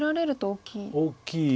大きい。